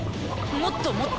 もっともっと。